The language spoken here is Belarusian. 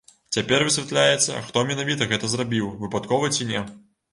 Цяпер высвятляецца, хто менавіта гэта зрабіў, выпадкова ці не.